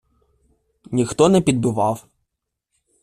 - Ніхто не підбивав.